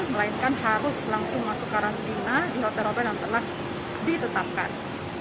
melainkan harus langsung masuk karantina di hotel hotel yang telah ditetapkan